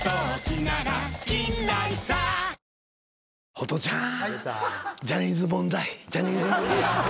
ホトちゃんジャニーズ問題。